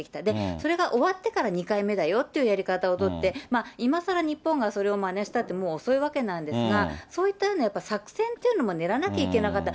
それが終わってから２回目だよというやり方を取って、今さら日本がそれをまねしたってもう遅いわけなんですが、そういった作戦というのも練らなきゃいけなかった。